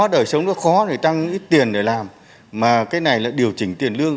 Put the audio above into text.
đời sống nó khó rồi tăng ít tiền để làm mà cái này là điều chỉnh tiền lương